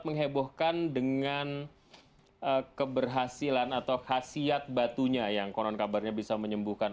menghebohkan dengan keberhasilan atau khasiat batunya yang konon kabarnya bisa menyembuhkan